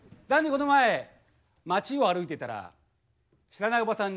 この前街を歩いてたら知らないおばさんに声をかけられたんだ。